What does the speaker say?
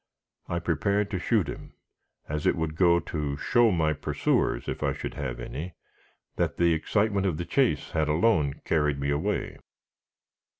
I prepared to shoot him, as it would go to show my pursuers, if I should have any, that the excitement of the chase had alone carried me away.